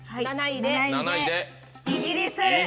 ７位でイギリス！